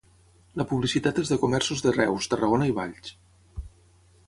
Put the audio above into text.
La publicitat és de comerços de Reus, Tarragona i Valls.